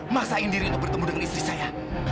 maksain diri untuk bertemu dengan istri saya